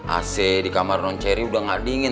ac di kamar non ceri udah gak dingin